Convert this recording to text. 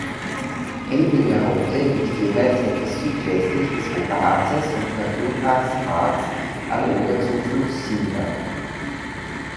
Elbingerode liegt jeweils etwas südwestlich des Oberharzes und Naturparks Harz am Oder-Zufluss Sieber.